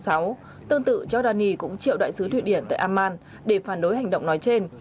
tương tự giordani cũng triệu đại sứ thụy điển tại amman để phản đối hành động nói trên